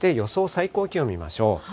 最高気温見ましょう。